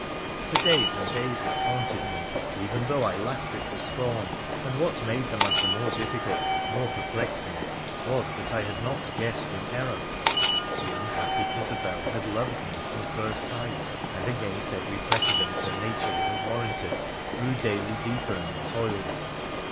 For days and days it haunted me, even though I laughed it to scorn, and, what made the matter more difficult, more perplexing, was that I had not guessed in error — the unhappy Isobel had loved me from first sight, and, against every precedent her nature would have warranted, grew daily deeper in the toils.